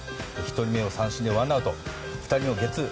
１人目を三振でワンアウト２人をゲッツー。